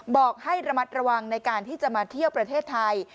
บอกให้ระมัดระวังในการที่จะมาเที่ยวประเทศไทย